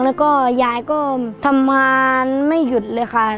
แล้วก็ยายก็ทำงานไม่หยุดเลยค่ะ